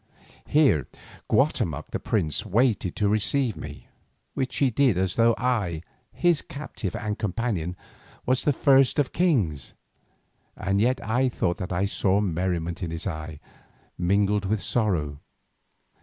Here Guatemoc the prince waited to receive me, which he did as though I, his captive and companion, was the first of kings. And yet I thought that I saw merriment in his eye, mingled with sorrow.